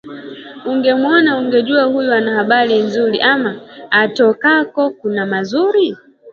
Ungemwona ungejuwa huyu ana habari nzuri ama atokako kuna mazuri